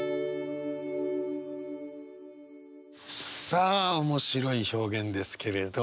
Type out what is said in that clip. さあ面白い表現ですけれど。